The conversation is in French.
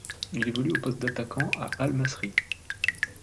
Il évolue au poste d'attaquant à Al-Masry.